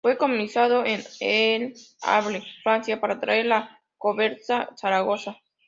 Fue comisionado a El Havre, Francia, para traer la Corbeta ""Zaragoza"".